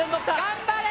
頑張れ！